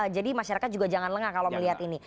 jadi masyarakat juga jangan lengah kalau melihat ini